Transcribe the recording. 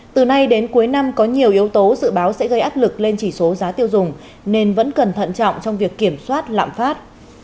từ nay đến cuối năm có nhiều yếu tố dự báo sẽ gây áp lực lên chỉ số giá tiêu dùng nên vẫn cần thận trọng trong việc kiểm soát lạm phát